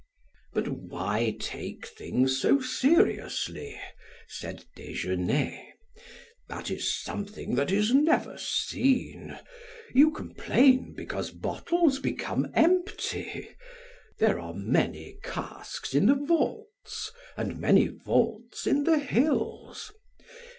"But why take things so seriously?" said Desgenais. "That is something that is never seen. You complain because bottles become empty? There are many casks in the vaults, and many vaults in the hills.